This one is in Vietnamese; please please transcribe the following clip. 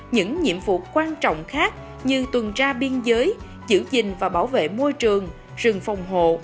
những nhiệm vụ quan trọng khác như tuần tra biên giới giữ gìn và bảo vệ môi trường rừng phòng hộ